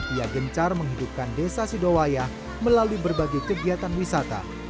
ia gencar menghidupkan desa sidowaya melalui berbagai kegiatan wisata